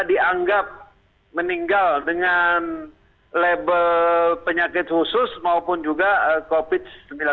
dianggap meninggal dengan label penyakit khusus maupun juga covid sembilan belas